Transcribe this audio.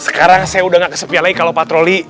sekarang saya udah gak kesepian lagi kalau patroli